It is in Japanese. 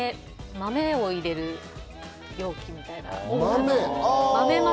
豆を入れる容器みたいな？